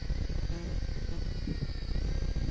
笔竹为禾本科茶秆竹属下的一个种。